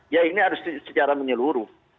ya ini harus secara menyeluruh